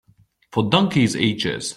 For donkeys' ages.